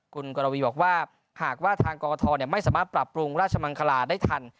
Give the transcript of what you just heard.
คุณกรวีบอกว่าหากว่าทางกรกฐไม่สามารถปรับปรุงราชมังคลาได้ทัน